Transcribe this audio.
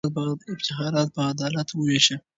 افتخارات په عدالت ووېشه.